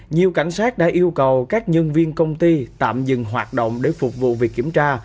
nhiều cảnh sát đã yêu cầu các nhân viên công ty tạm dừng hoạt động để phục vụ việc kiểm tra